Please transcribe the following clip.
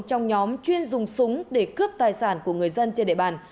trong nhóm chuyên dùng súng để cướp tài sản của người dân trên địa bàn